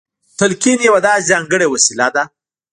تلقين يوه داسې ځانګړې وسيله ده.